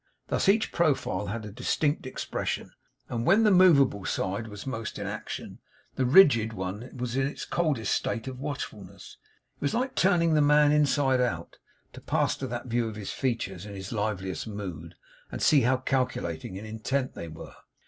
Thus each profile had a distinct expression; and when the movable side was most in action, the rigid one was in its coldest state of watchfulness. It was like turning the man inside out, to pass to that view of his features in his liveliest mood, and see how calculating and intent they were.